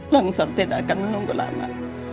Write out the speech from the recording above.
longsor tidak akan menunggu lama